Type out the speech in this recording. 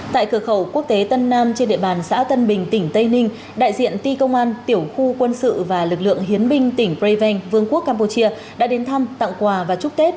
tại cửa khẩu quốc tế tân nam trên địa bàn xã tân bình tỉnh tây ninh đại diện ti công an tiểu khu quân sự và lực lượng hiến binh tỉnh preven vương quốc campuchia đã đến thăm tặng quà và chúc tết